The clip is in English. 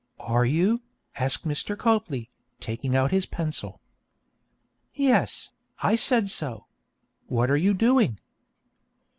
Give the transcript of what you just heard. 'Are you?' asked Mr. Copley, taking out his pencil. 'Yes, I said so. What are you doing?'